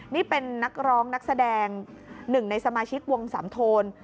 นี่เป็นนักร้องนักแสดงหนึ่งในสมาชิกวงสามโทน